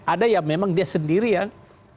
ada ya memang dia sendiri yang